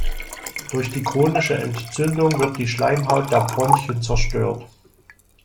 Durch die chronische Entzündung wird die Schleimhaut der Bronchien zerstört.